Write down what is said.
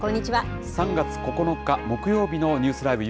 ３月９日木曜日のニュースＬＩＶＥ！